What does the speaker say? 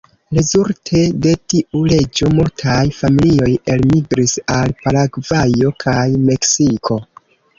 Rezulte de tiu leĝo multaj familioj elmigris al Paragvajo kaj Meksiko.